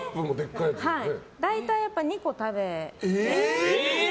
大体２個食べて。